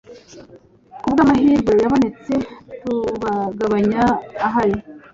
Ku bw’amahirwe, yabonetse, tubagabanya ahari